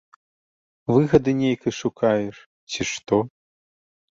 Выгады нейкай шукаеш, ці што?